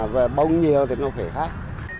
về bông nhiều thì nó phải khác